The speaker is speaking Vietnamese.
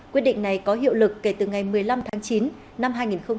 quyết định này có hiệu lực kể từ ngày một mươi năm tháng chín năm hai nghìn một mươi chín